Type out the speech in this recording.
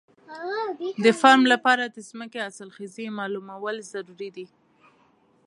د فارم لپاره د ځمکې حاصلخېزي معلومول ضروري دي.